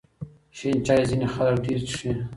شین چای ځینې خلک ډېر څښي.